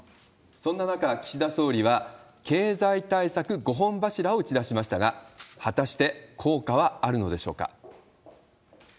そんな中、岸田総理は経済対策５本柱を打ち出しましたが、果たして効果はあるのでしょうか。